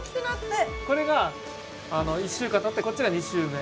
これが１週間たってこっちが２週目。